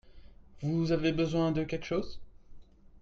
Vous avez besoin de quelque chose ?